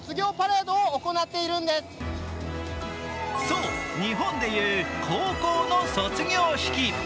そう、日本でいう高校の卒業式。